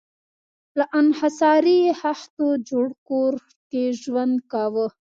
له انحصاري خښتو جوړ کور کې ژوند کاوه.